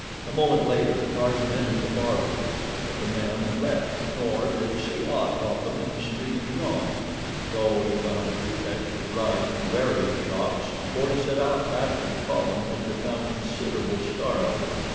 A moment later Tarzan entered the barroom, but the men had left, nor did he see aught of them in the street beyond, though he found a pretext to ride to various shops before he set out after the column which had now considerable start of him.